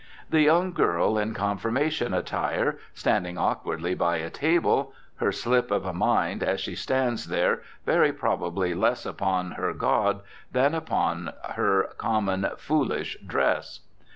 The young girl in confirmation attire, standing awkwardly by a table (her slip of a mind, as she stands there, very probably less upon her God than upon her common, foolish dress).